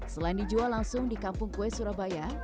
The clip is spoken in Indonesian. selain dijual langsung di kampung kue surabaya